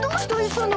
磯野。